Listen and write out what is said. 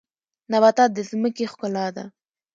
نباتات د ځمکې ښکلا ده